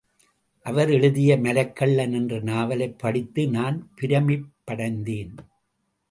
அவர் எழுதிய மலைக்கள்ளன் என்ற நாவலைப் படித்து நான் பிரமிப்படைந்தேன்.